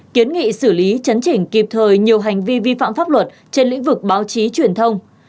kiến nghị xử lý chấn chỉnh kịp thời nhiều hành vi vi phạm pháp luật trên lĩnh vực báo chí truyền thông